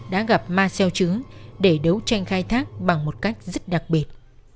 đã gặp marcel chứ để đấu tranh khai thác bằng một cách rất đặc biệt